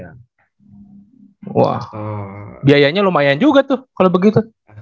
wah biayanya lumayan juga tuh kalau begitu